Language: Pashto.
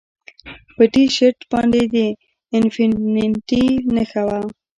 په ټي شرټ باندې د انفینټي نښه وه